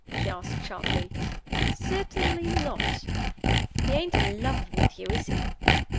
she asked, sharply. "Certainly not." "He ain't in love with you, is he?"